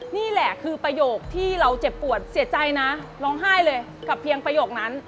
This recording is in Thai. นี่แหละคือประโยคที่เราเจ็บปวดเสียใจนะร้องไห้เลยกับเพียงประโยคนั้น